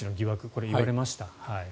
これ、言われました。